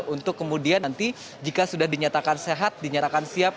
untuk kemudian nanti jika sudah dinyatakan sehat dinyatakan siap